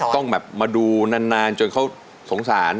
ต้องแบบมาดูนานจนเขาสงสาร